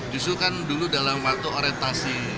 justru kan dulu dalam waktu orientasi